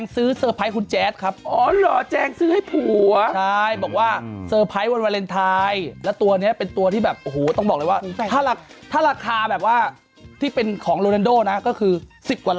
ซื้อให้แจ๊ดหรอคุณแจ๊งซื้อหศึกษาหากของคุณแจ๊ดครับคุณแจ๊งซื้อให้ผัว